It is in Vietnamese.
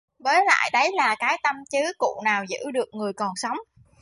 với lại đấy là cái tâm chứ cụ nào giữ được người còn sống